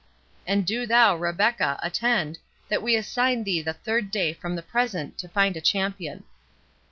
—And do thou, Rebecca, attend, that we assign thee the third day from the present to find a champion."